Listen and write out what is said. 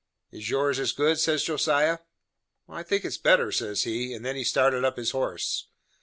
"Is yours as good?" says Josiah. "I think it is better," says he. And then he started up his horse.